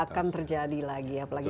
dan ini akan terjadi lagi ya apalagi kita